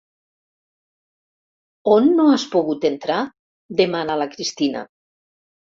On no has pogut entrar? —demana la Cristina—.